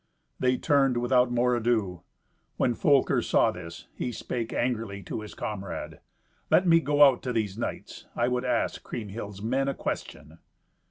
They turned without more ado. When Folker saw this, he spake angrily to his comrade, "Let me go out to these knights. I would ask Kriemhild's men a question."